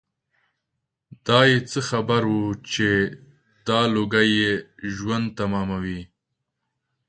دای څه خبر و چې دا لوګي یې ژوند تماموي.